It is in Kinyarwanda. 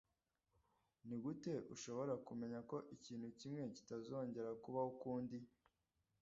Nigute ushobora kumenya ko ikintu kimwe kitazongera kubaho ukundi?